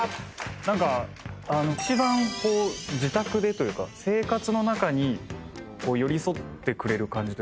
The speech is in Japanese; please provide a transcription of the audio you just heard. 何かあの一番自宅でというか生活の中に寄り添ってくれる感じというか。